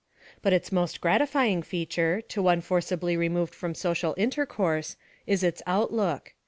But its most gratifying feature, to one forcibly removed from social intercourse, is its outlook.